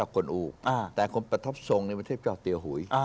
คลายอย่างนี้เลย